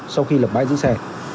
sau khi lập bãi dự xe